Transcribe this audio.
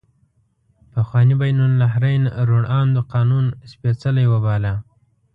پخواني بین النهرین روڼ اندو قانون سپیڅلی وباله.